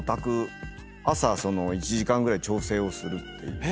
朝１時間ぐらい調整をするっていう。